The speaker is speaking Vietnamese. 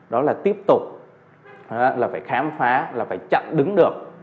đó là tiếp tục phải khám phá chặn đứng được